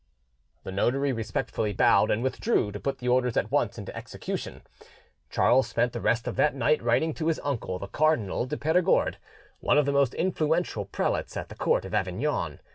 The notary respectfully bowed, and withdrew to put the orders at once into execution. Charles spent the rest of that night writing to his uncle the Cardinal de Perigord, one of the most influential prelates at the court of Avignon.